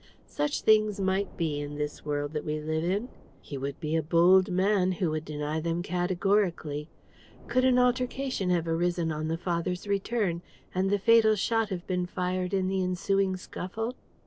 Such things might be, in this world that we live in: he would be a bold man who would deny them categorically. Could an altercation have arisen on the father's return, and the fatal shot have been fired in the ensuing scuffle?